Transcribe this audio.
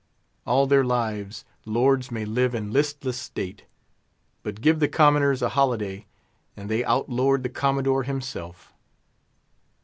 All their lives lords may live in listless state; but give the commoners a holiday, and they outlord the Commodore himself.